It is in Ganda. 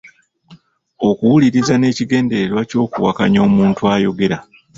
Okuwuliriza n’ekigenderwa ky’okuwakanya omuntu ayogera.